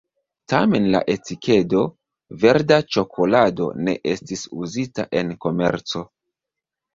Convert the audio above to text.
Tamen la etikedo “verda ĉokolado ne estis uzita en komerco.